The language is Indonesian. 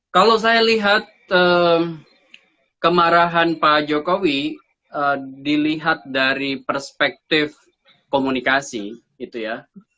kalau saya lihat kemarahan pak jokowi dilihat dari perspektif komunikasi gitu ya